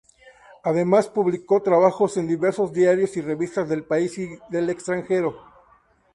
Además publicó trabajos en diversos diarios y revistas del país y del extranjero.